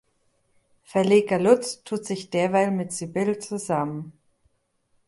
Verleger Lutz tut sich derweil mit Sybill zusammen.